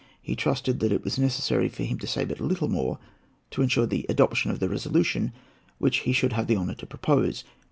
He trusted that it was necessary for him to say but little more to insure the adoption of the resolution which he should have the honour to propose.